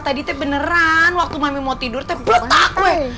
tadi itu beneran waktu mami mau tidur itu beletak weh